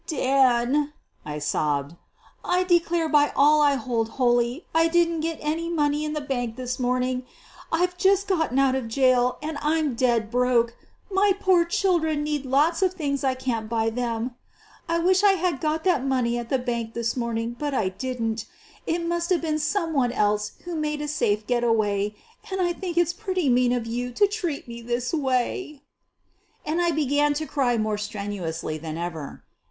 I "Dan," I sobbed, "I declare by all I hold holy I didn't get any money in the bank this morning. IVe just gotten out of jail and I'm dead broke. My poor children need lots of things I can't buy them. I wish I had got that money at the bank this 254 SOPHIE LYONS morning, but I didn't. It must have been some one else who made a safe get away, and I think it's pretty mean of you to treat me this way," and I began to cry more strenuously than ever.